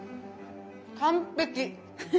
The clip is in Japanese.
完璧。